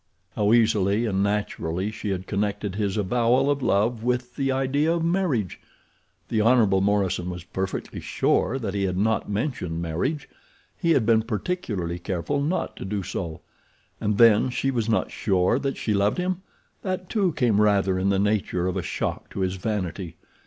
How easily and naturally she had connected his avowal of love with the idea of marriage! The Hon. Morison was perfectly sure that he had not mentioned marriage—he had been particularly careful not to do so. And then she was not sure that she loved him! That, too, came rather in the nature of a shock to his vanity.